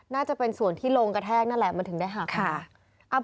น่าจะเป็นส่วนที่โรงกระแทกนั่นแหละมันถึงได้หักค่ะ